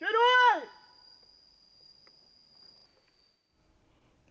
ช่วยด้วย